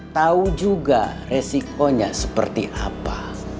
tahu juga resikonya seperti apa